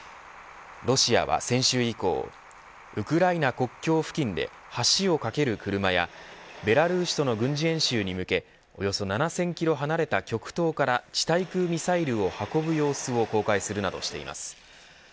ロシアは先週以降ウクライナ国境付近で橋を架ける車やベラルーシとの軍事演習に向けおよそ７０００キロ離れた極東から地対空ミサイルを運ぶ様子を公開しています。